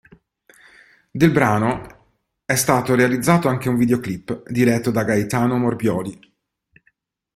Del brano è stato realizzato anche un videoclip diretto da Gaetano Morbioli.